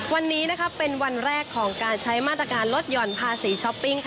วันนี้เป็นวันแรกของการใช้มาตรการลดหย่อนภาษีช้อปปิ้ง